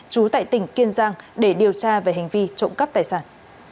trú tại tỉnh kiên giang để điều tra về hành vi trộm cắp tài sản